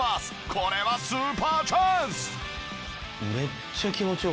これはスーパーチャンス！